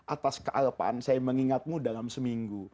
atas kealpaan saya mengingatmu dalam seminggu